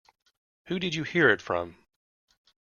Who did you hear it from?